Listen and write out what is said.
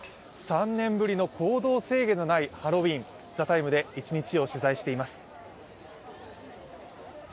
３年ぶりの行動制限のないハロウィーン、「ＴＨＥＴＩＭＥ，」で１日を取材しています。